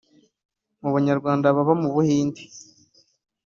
mu banyarwanda baba mu Buhinde